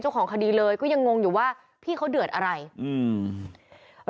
เจ้าของคดีเลยก็ยังงงอยู่ว่าพี่เขาเดือดอะไรอืม